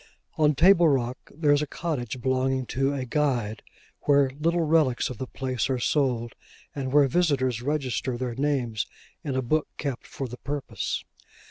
On Table Rock, there is a cottage belonging to a Guide, where little relics of the place are sold, and where visitors register their names in a book kept for the purpose.